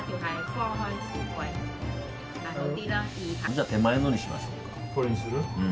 じゃあ手前のにしましょうか。